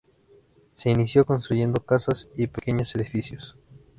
Se inició construyendo casas y pequeños edificios.